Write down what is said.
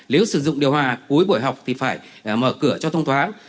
nếu sử dụng điều hòa cuối buổi học thì phải mở cửa cho thông thoáng